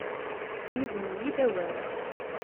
Yuzen-iyi-id awal.